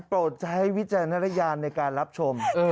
ใช้วิจารณญาณในการรับชม